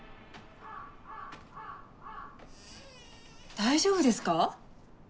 大丈夫ですか？